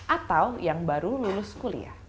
atau yang baru lulus kuliah